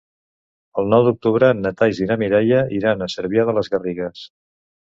El nou d'octubre na Thaís i na Mireia iran a Cervià de les Garrigues.